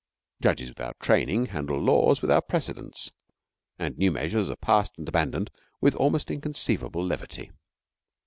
Judges without training handle laws without precedents, and new measures are passed and abandoned with almost inconceivable levity.